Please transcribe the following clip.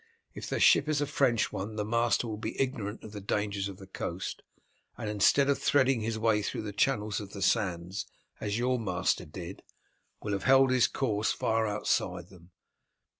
If their ship is a French one the master will be ignorant of the dangers of the coast, and instead of threading his way through the channels of the sands, as your master did, will have held his course far outside them.